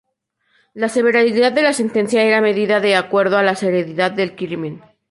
La severidad de la sentencia era medida de acuerdo a la seriedad del crimen.